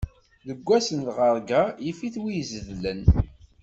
Deg wass n lɣeṛga, yif-it win izedlen.